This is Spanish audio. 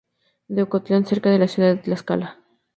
De Ocotlán, cerca de la ciudad de Tlaxcala.